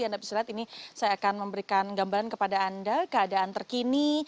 anda bisa lihat ini saya akan memberikan gambaran kepada anda keadaan terkini